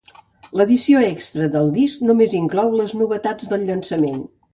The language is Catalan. L'edició extra del disc només inclou les novetats del llançament.